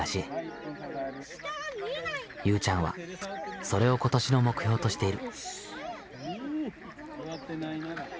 ゆうちゃんはそれを今年の目標としている。